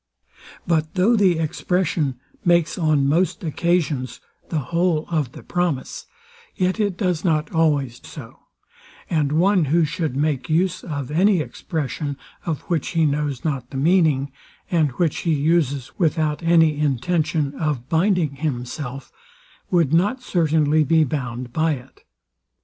But though the expression makes on most occasions the whole of the promise, yet it does not always so; and one, who should make use of any expression, of which he knows not the meaning, and which he uses without any intention of binding himself, would not certainly be bound by it.